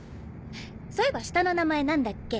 そういえば下の名前何だっけ？